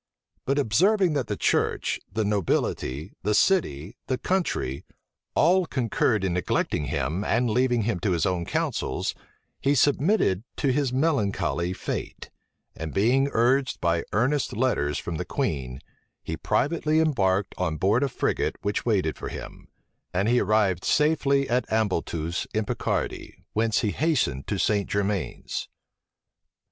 But observing that the church, the nobility, the city, the country, all concurred in neglecting him, and leaving him to his own counsels, he submitted to his melancholy fate; and being urged by earnest letters from the queen, he privately embarked on board a frigate which waited for him; and he arrived safety at Ambleteuse, in Picardy, whence he hastened to St. Germains.